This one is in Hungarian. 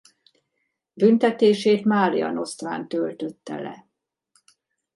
Büntetését Márianosztrán töltötte le.